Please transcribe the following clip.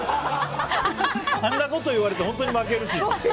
あんなこと言われて本当に負けるし。